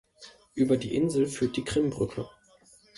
Über die Insel führt die Krim-Brücke.